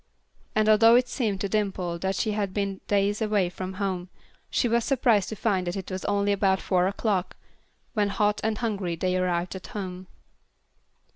And although it seemed to Dimple that she had been days away from home, she was surprised to find that it was only about four o'clock, when hot and hungry they arrived at home.